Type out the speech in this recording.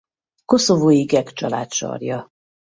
Koszovói geg család sarja.